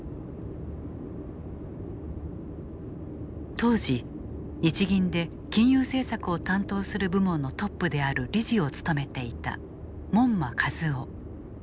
当時、日銀で金融政策を担当する部門のトップである理事を務めていた門間一夫。